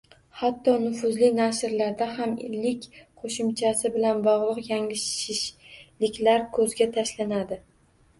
Hatto nufuzli nashrlarda ham -lik qoʻshimchasi bilan bogʻliq yanglishliklar koʻzga tashlanadi